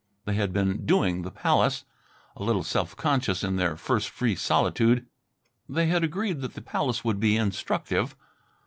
They had been "doing" the palace. A little self conscious, in their first free solitude, they had agreed that the palace would be instructive.